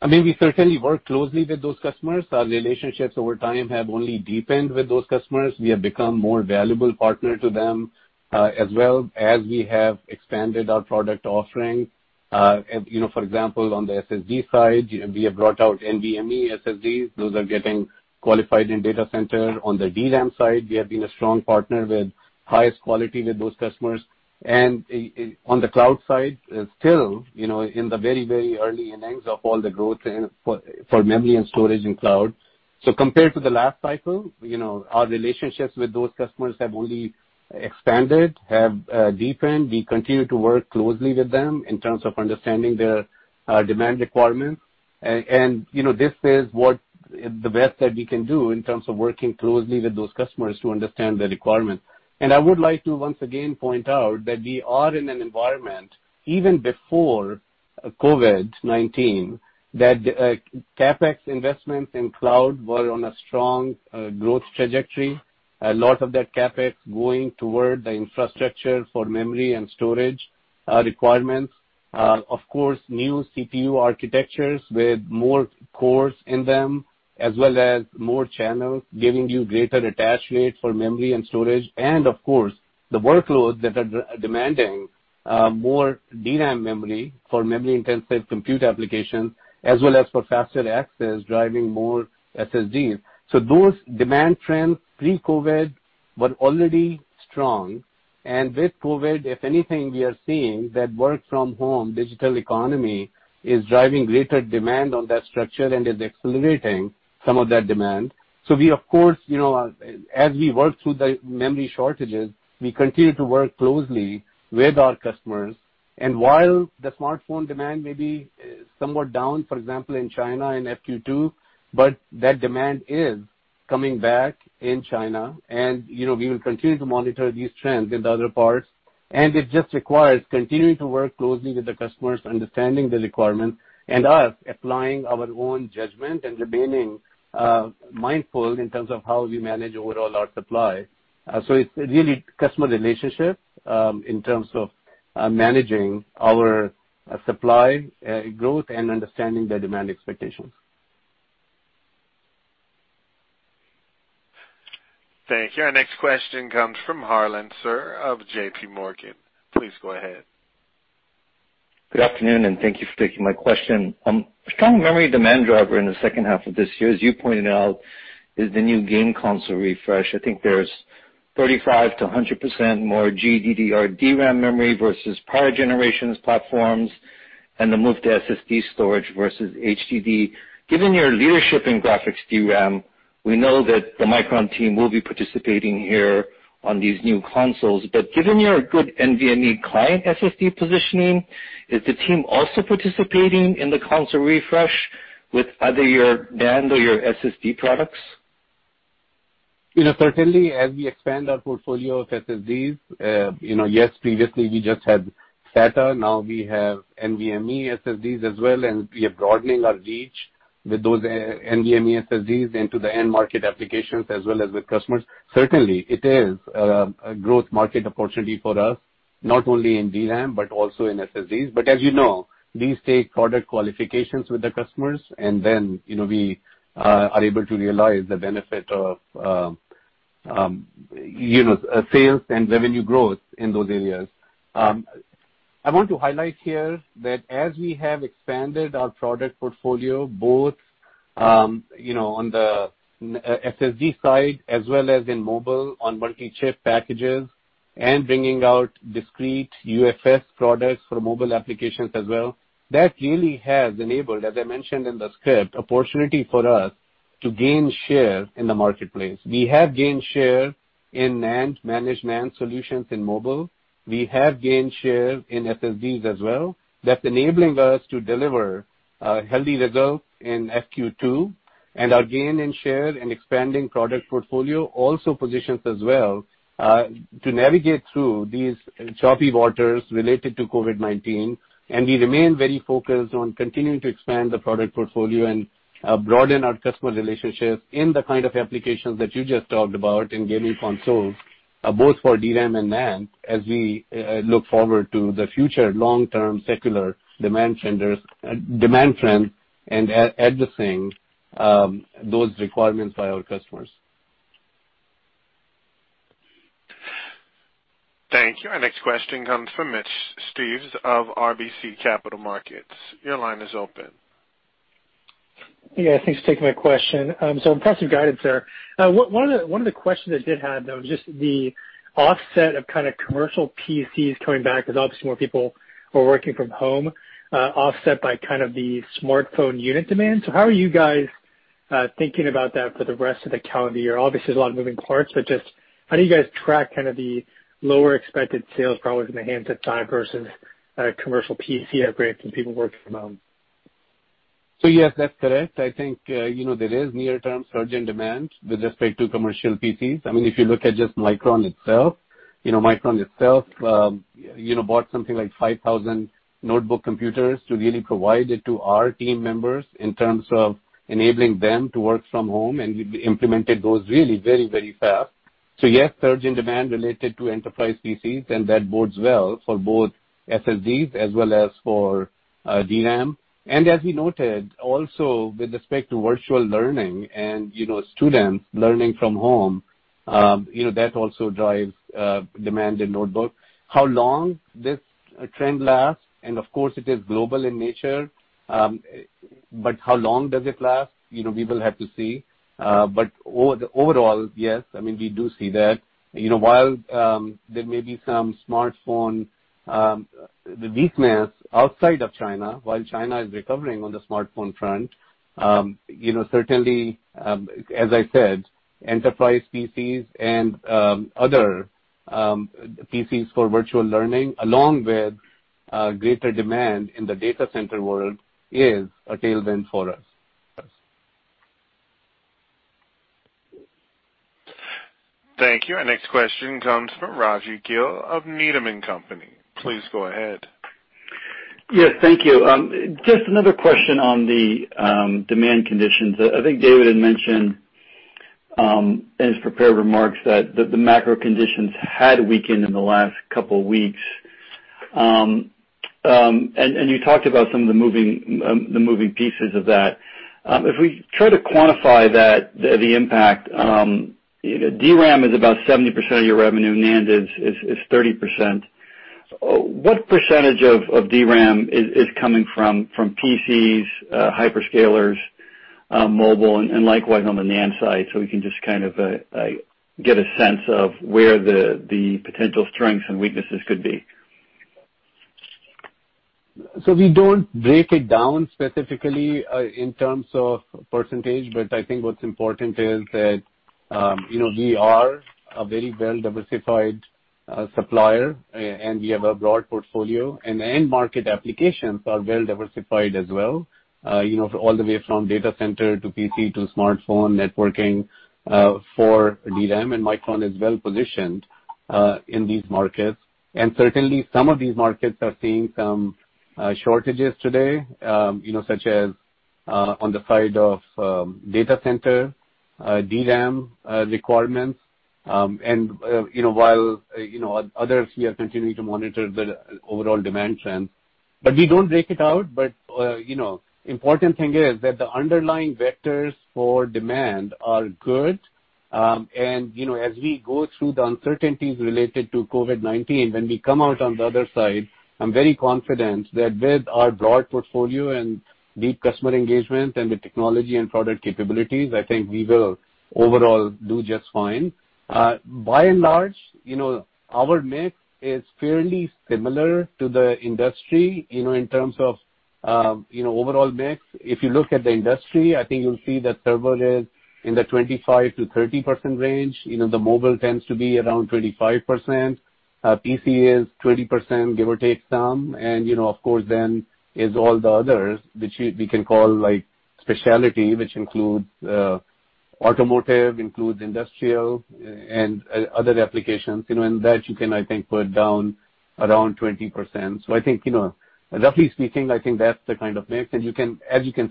I mean, we certainly work closely with those customers. Our relationships over time have only deepened with those customers. We have become more valuable partner to them, as well as we have expanded our product offering. For example, on the SSD side, we have brought out NVMe SSDs. Those are getting qualified in data center. On the DRAM side, we have been a strong partner with highest quality with those customers. On the cloud side, still in the very, very early innings of all the growth for memory and storage in cloud. Compared to the last cycle, our relationships with those customers have only expanded, have deepened. We continue to work closely with them in terms of understanding their demand requirements. This is the best that we can do in terms of working closely with those customers to understand the requirements. I would like to once again point out that we are in an environment, even before COVID-19, that CapEx investments in cloud were on a strong growth trajectory. A lot of that CapEx going toward the infrastructure for memory and storage requirements. Of course, new CPU architectures with more cores in them, as well as more channels giving you greater attach rate for memory and storage, and of course, the workloads that are demanding more DRAM memory for memory-intensive compute applications, as well as for faster access, driving more SSDs. Those demand trends pre-COVID were already strong. With COVID, if anything, we are seeing that work from home digital economy is driving greater demand on that structure and is accelerating some of that demand. We, of course, as we work through the memory shortages, we continue to work closely with our customers. While the smartphone demand may be somewhat down, for example, in China in FQ2, but that demand is coming back in China, and we will continue to monitor these trends in the other parts. It just requires continuing to work closely with the customers, understanding the requirements, and us applying our own judgment and remaining mindful in terms of how we manage overall our supply. It's really customer relationship in terms of managing our supply growth and understanding the demand expectations. Thank you. Our next question comes from Harlan Sur of JPMorgan. Please go ahead. Good afternoon, and thank you for taking my question. Strong memory demand driver in the H2 of this year, as you pointed out, is the new game console refresh. I think there's 35%-100% more GDDR DRAM memory versus prior generations platforms, and the move to SSD storage versus HDD. Given your leadership in graphics DRAM, we know that the Micron team will be participating here on these new consoles. Given your good NVMe client SSD positioning, is the team also participating in the console refresh with either your NAND or your SSD products? As we expand our portfolio of SSDs, yes, previously we just had SATA, now we have NVMe SSDs as well, and we are broadening our reach with those NVMe SSDs into the end market applications as well as with customers. It is a growth market opportunity for us, not only in DRAM but also in SSDs. As you know, these take product qualifications with the customers and then, we are able to realize the benefit of sales and revenue growth in those areas. I want to highlight here that as we have expanded our product portfolio, both on the SSD side as well as in mobile on multi-chip packages and bringing out discrete UFS products for mobile applications as well, that really has enabled, as I mentioned in the script, opportunity for us to gain share in the marketplace. We have gained share in NAND, managed NAND solutions in mobile. We have gained share in SSDs as well. That's enabling us to deliver healthy results in FQ2. Our gain in share and expanding product portfolio also positions us well, to navigate through these choppy waters related to COVID-19. We remain very focused on continuing to expand the product portfolio and broaden our customer relationships in the kind of applications that you just talked about in gaming consoles, both for DRAM and NAND, as we look forward to the future long-term secular demand trends and addressing those requirements by our customers. Thank you. Our next question comes from Mitch Steves of RBC Capital Markets. Your line is open. Yeah, thanks for taking my question. Impressive guidance there. One of the questions I did have, though, is just the offset of commercial PCs coming back, because obviously more people are working from home, offset by the smartphone unit demand. How are you guys thinking about that for the rest of the calendar year? Obviously, there's a lot of moving parts, but just how do you guys track the lower expected sales probably from the handset side versus commercial PC upgrades from people working from home? Yes, that's correct. I think there is near-term surge in demand with respect to commercial PCs. I mean, if you look at just Micron itself, Micron itself bought something like 5,000 notebook computers to really provide it to our team members in terms of enabling them to work from home, and we implemented those really very, very fast. Yes, surge in demand related to enterprise PCs, and that bodes well for both SSDs as well as for DRAM. As we noted, also with respect to virtual learning and students learning from home, that also drives demand in notebooks. How long this trend lasts, and of course it is global in nature, but how long does it last? We will have to see. Overall, yes, I mean, we do see that. While there may be some smartphone weakness outside of China, while China is recovering on the smartphone front, certainly, as I said, enterprise PCs and other PCs for virtual learning, along with greater demand in the data center world is a tailwind for us. Thank you. Our next question comes from Rajvindra Gill of Needham & Company. Please go ahead. Yes, thank you. Just another question on the demand conditions. I think David had mentioned in his prepared remarks that the macro conditions had weakened in the last couple weeks. You talked about some of the moving pieces of that. If we try to quantify the impact, DRAM is about 70% of your revenue, NAND is 30%. What percentage of DRAM is coming from PCs, hyperscalers, mobile, and likewise on the NAND side, so we can just kind of get a sense of where the potential strengths and weaknesses could be? We don't break it down specifically in terms of percentage, but I think what's important is that we are a very well-diversified supplier, and we have a broad portfolio, and the end market applications are well-diversified as well. All the way from data center to PC to smartphone, networking for DRAM, Micron is well-positioned in these markets. Certainly, some of these markets are seeing some shortages today, such as on the side of data center DRAM requirements. While others here continue to monitor the overall demand trend. We don't break it out, but important thing is that the underlying vectors for demand are good. As we go through the uncertainties related to COVID-19, when we come out on the other side, I'm very confident that with our broad portfolio and deep customer engagement and the technology and product capabilities, I think we will overall do just fine. By and large, our mix is fairly similar to the industry, in terms of overall mix. If you look at the industry, I think you'll see that server is in the 25%-30% range. The mobile tends to be around 25%. PC is 20%, give or take some. Of course then is all the others, which we can call specialty, which includes automotive, includes industrial and other applications. That you can, I think, put down around 20%. I think, roughly speaking, I think that's the kind of mix. As you can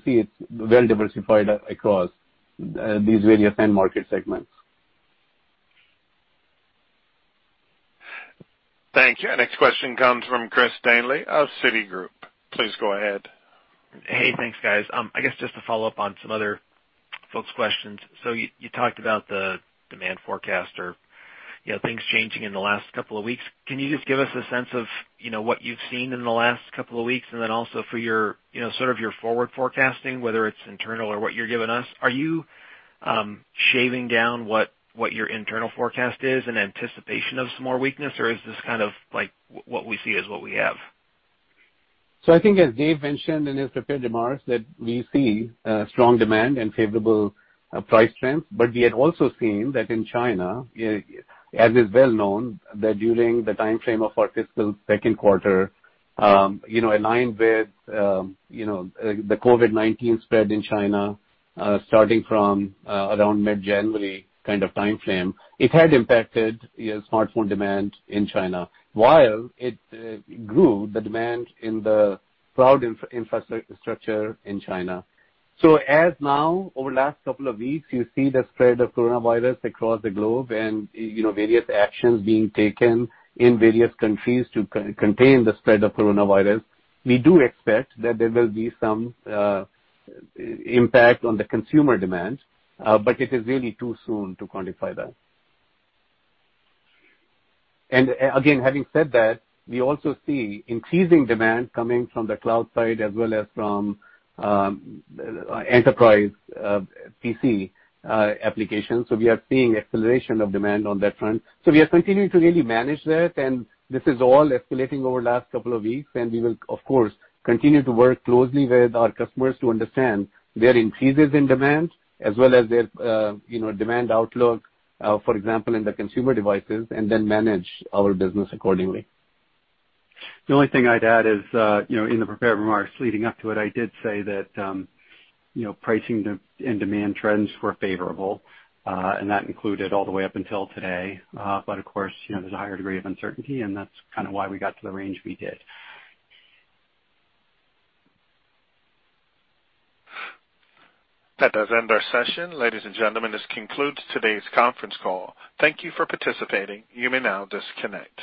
see, it's well-diversified across these various end market segments. Thank you. Next question comes from Christopher Danely of Citigroup. Please go ahead. Hey, thanks, guys. I guess just to follow up on some other folks' questions. You talked about the demand forecast or things changing in the last couple of weeks. Can you just give us a sense of what you've seen in the last couple of weeks and then also for your forward forecasting, whether it's internal or what you're giving us? Are you shaving down what your internal forecast is in anticipation of some more weakness, or is this kind of like, what we see is what we have? I think as David mentioned in his prepared remarks that we see strong demand and favorable price trends. We had also seen that in China, as is well known, that during the timeframe of our fiscal Q2, aligned with the COVID-19 spread in China, starting from around mid-January kind of timeframe, It had impacted smartphone demand in China, while it grew the demand in the cloud infrastructure in China. As now, over last couple of weeks, you see the spread of coronavirus across the globe and various actions being taken in various countries to contain the spread of coronavirus. We do expect that there will be some impact on the consumer demand, but it is really too soon to quantify that. Again, having said that, we also see increasing demand coming from the cloud side as well as from enterprise PC applications. We are seeing acceleration of demand on that front. We are continuing to really manage that, and this is all escalating over last couple of weeks, and we will, of course, continue to work closely with our customers to understand their increases in demand as well as their demand outlook, for example, in the consumer devices, and then manage our business accordingly. The only thing I'd add is, in the prepared remarks leading up to it, I did say that pricing and demand trends were favorable, and that included all the way up until today. Of course, there's a higher degree of uncertainty, and that's kind of why we got to the range we did. That does end our session. Ladies and gentlemen, this concludes today's conference call. Thank you for participating. You may now disconnect.